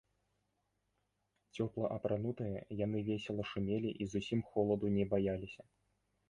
Цёпла апранутыя, яны весела шумелі і зусім холаду не баяліся.